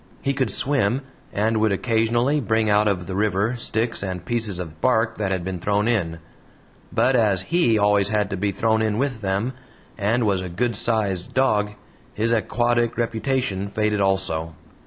He could swim, and would occasionally bring out of the river sticks and pieces of bark that had been thrown in; but as HE always had to be thrown in with them, and was a good sized dog, his aquatic reputation faded also.